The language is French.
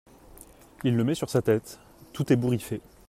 Il le met sur sa tête, tout ébouriffé.